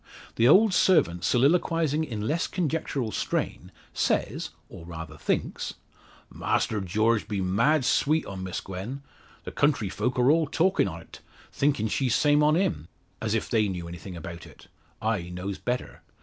The old servant soliloquising in less conjectural strain, says, or rather thinks "Master George be mad sweet on Miss Gwen. The country folk are all talkin' o't; thinkin' she's same on him, as if they knew anything about it. I knows better.